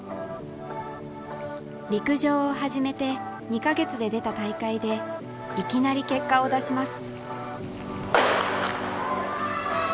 陸上を始めて２か月で出た大会でいきなり結果を出します。